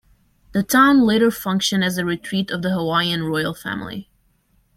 The town later functioned as a retreat of the Hawaiian royal family.